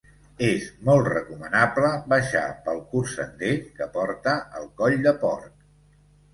És molt recomanable baixar pel curt sender que porta al Coll de Porc.